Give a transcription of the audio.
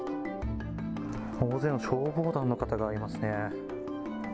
大勢の消防団の方がいますね。